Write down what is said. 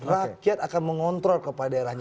rakyat akan mengontrol kepala daerahnya